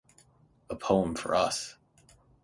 A poem for us.